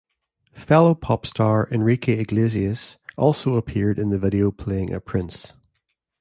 Fellow popstar Enrique Iglesias also appeared in the video playing a Prince.